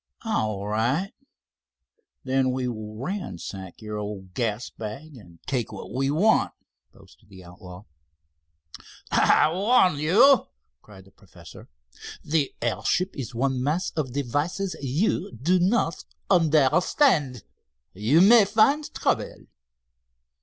"All right, then we will ransack your old gas bag and take what we want," boasted the outlaw. "I warn you," cried the professor. "The airship is one mass of devices you do not understand. You may find trouble."